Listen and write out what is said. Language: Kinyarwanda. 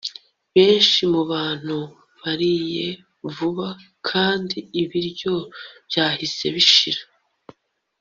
benshi mubantu bariye vuba kandi ibiryo byahise bishira